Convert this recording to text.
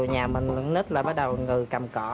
nhà mình con nít là bắt đầu người cầm cọ